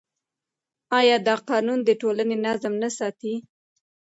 آیا دا قانون د ټولنې نظم نه ساتي؟